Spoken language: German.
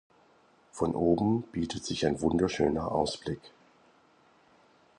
Von oben bietet sich ein wunderschöner Ausblick.